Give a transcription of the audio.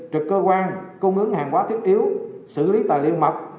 trực cơ quan cung ứng hàng hóa thiết yếu xử lý tài liệu mật